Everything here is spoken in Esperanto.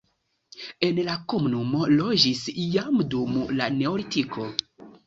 En la komunumo loĝis jam dum la neolitiko.